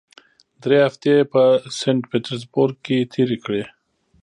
درې هفتې یې په سینټ پیټرزبورګ کې تېرې کړې.